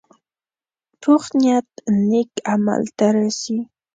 پوخ نیت نیک عمل ته رسي